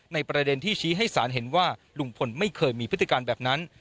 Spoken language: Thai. ประเด็นที่ชี้ให้สารเห็นว่าลุงพลไม่เคยมีพฤติการแบบนั้น